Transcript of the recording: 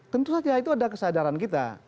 tentu saja itu ada kesadaran kita